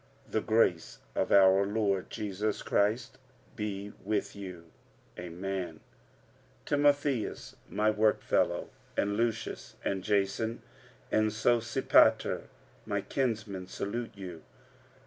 The grace of our Lord Jesus Christ be with you. Amen. 45:016:021 Timotheus my workfellow, and Lucius, and Jason, and Sosipater, my kinsmen, salute you.